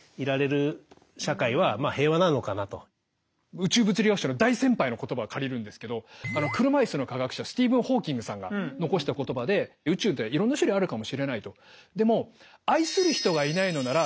宇宙物理学者の大先輩の言葉を借りるんですけど車椅子の科学者スティーブン・ホーキングさんが残した言葉ででもっていう言葉があるんですよ。